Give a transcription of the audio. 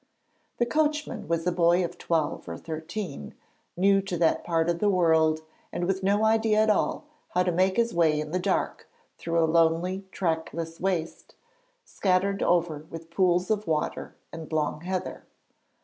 The coachman was a boy of twelve or thirteen, new to that part of the world and with no idea at all how to make his way in the dark, through a lonely trackless waste, scattered over with pools of water and long heather.